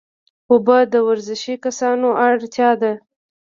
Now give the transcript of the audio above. اوبه د ورزشي کسانو اړتیا ده